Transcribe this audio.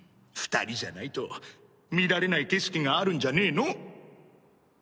２人じゃないと見られない景色があるんじゃねえの？